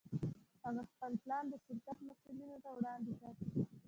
هغه خپل پلان د شرکت مسوولينو ته وړاندې کړ.